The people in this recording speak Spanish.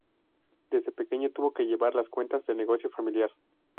Desde pequeño tuvo que llevar las cuentas del negocio familiar.